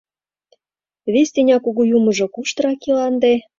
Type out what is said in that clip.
Вес Тӱня Кугу Юмыжо куштырак ила ынде?